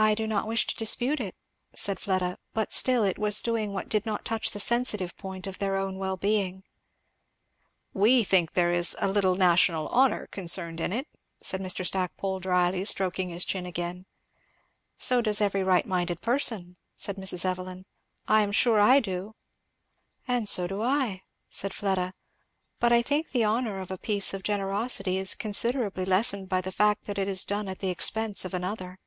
"I do not wish to dispute it," said Fleda; "but still it was doing what did not touch the sensitive point of their own well being." "We think there is a little national honour concerned in it," said Mr. Stackpole dryly, stroking his chin again. "So does every right minded person," said Mrs. Evelyn; "I am sure I do." "And I am sure so do I," said Fleda; "but I think the honour of a piece of generosity is considerably lessened by the fact that it is done at the expense of another."